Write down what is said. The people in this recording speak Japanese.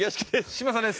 嶋佐です。